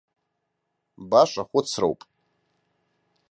Баша хәыцроуп.